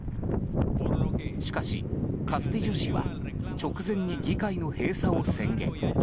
しかし、カスティジョ氏は直前に議会の閉鎖を宣言。